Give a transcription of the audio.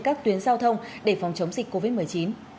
các tuyến giao thông để phòng chống dịch covid một mươi chín